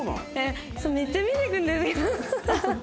めっちゃ見てくるんですけど。